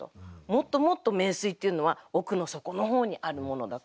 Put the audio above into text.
もっともっと名水っていうのは奥の底の方にあるものだ。